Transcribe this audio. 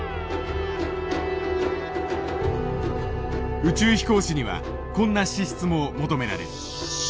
宇宙飛行士にはこんな資質も求められる。